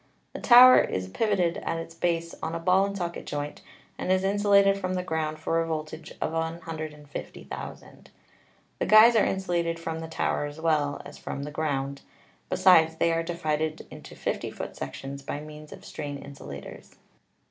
The tower is piv oted at its base on a ball and socket joint, and is insu lated from the ground for a voltage of 150,000. The guys are insulated from the tower as well as from the ground; besides, they are divided into 50 foot sections by means of strain insulators.